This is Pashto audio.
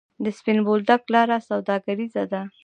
د سپین بولدک لاره سوداګریزه ده